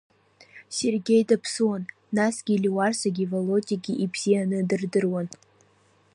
Сергеи даԥсуан, насгьы, Леуарсагьы Володиагьы ибзианы дырдыруан.